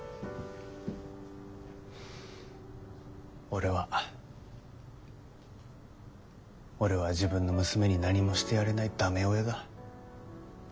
俺は俺は自分の娘に何もしてやれない駄目親だ。